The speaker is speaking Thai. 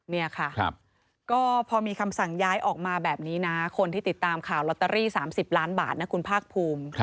นี่ค่ะก็พอมีคำสั่งย้ายออกมาแบบนี้นะคนที่ติดตามข่าวลอตเตอรี่๓๐ล้านบาทนะคุณภาคภูมิ